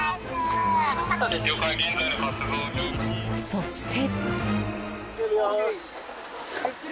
そして。